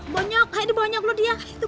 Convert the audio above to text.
banyak kayaknya banyak loh dia